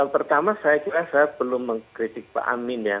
pertama saya kira saya perlu mengkritik pak amin ya